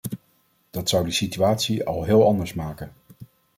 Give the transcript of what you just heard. Dat zou de situatie al heel anders maken.